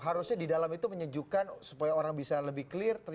harusnya di dalam itu menyejukkan sebagian dari kualitas teroris ini